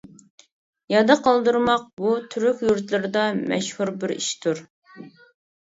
يادا قىلدۇرماق-بۇ تۈرك يۇرتلىرىدا مەشھۇر بىر ئىشتۇر.